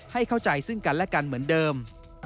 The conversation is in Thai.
ให้เข้าใจซึ่งกันและกันเหมือนเดิม